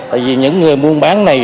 tại vì những người muốn bán này